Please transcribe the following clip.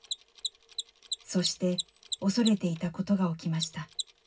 そして恐れていたことが起きました。